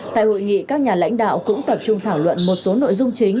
tại hội nghị các nhà lãnh đạo cũng tập trung thảo luận một số nội dung chính